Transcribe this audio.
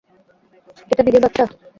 এটা দিদির বাচ্চা?